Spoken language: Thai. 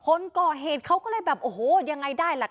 คนก่อเหตุเขาก็เลยแบบโอ้โหยังไงได้ล่ะ